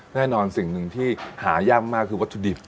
แน่นอนสิ่งหนึ่งที่หายากมากคือวัตถุดิบ